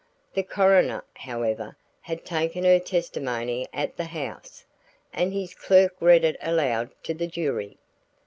The coroner, however, had taken her testimony at the house, and his clerk read it aloud to the jury.